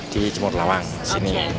di cimur lawang sini